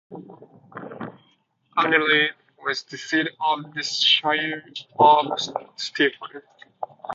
Annerley was the seat of the Shire of Stephens.